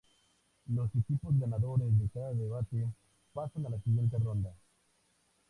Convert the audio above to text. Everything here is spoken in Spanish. Los equipos ganadores de cada debate pasan a la siguiente ronda.